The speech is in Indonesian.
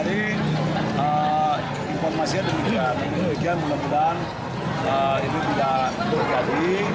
demikian mudah mudahan ini sudah berjadi